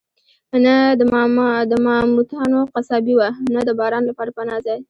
نه د ماموتانو قصابي وه، نه د باران لپاره پناه ځای.